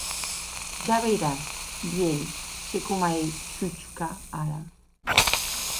Ja veiràs, vielh, se com ei Zhuchka ara!